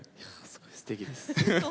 すごいすてきです。